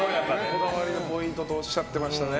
こだわりのポイントとおっしゃっていましたね。